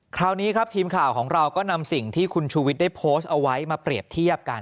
คราวนี้ครับทีมข่าวของเราก็นำสิ่งที่คุณชูวิทย์ได้โพสต์เอาไว้มาเปรียบเทียบกัน